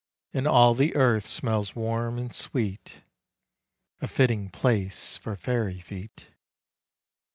And all the earth smells warm and swe< I — A fitting place for fairy feet.